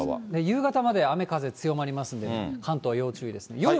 夕方まで雨風強まりますので、関東、要注意です。